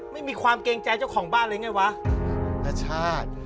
ไม่มีความเกรงใจเจ้าของบ้านเลยไงวะนาชาติ